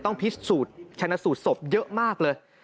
ต้องพิจารณสูตรชนะสูตรศพเยอะมากเลย